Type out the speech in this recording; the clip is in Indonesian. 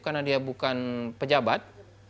karena dia bukan pejabat